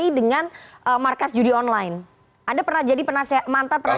ini tudingan atau memang kenyataannya anda juga mendengar bahwa jaraknya memang sangat sedekat itu antara mabes polri